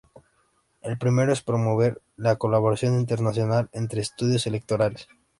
El primero es promover la colaboración internacional entre estudios electorales.